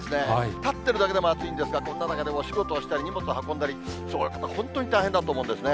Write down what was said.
立ってるだけでも暑いんですが、こんな中でもお仕事をしたり、荷物を運んだり、そういう方、本当に大変だと思うんですね。